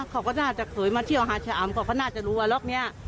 เขาก็น่าจะเคยมาเที่ยวฮาชอามเขาก็น่าจะรู้อ่ะล๊อคเนี่ย